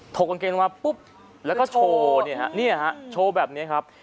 ถกกางเกงลงมาปุ๊บแล้วก็โชว์โชว์แบบนี้ครับ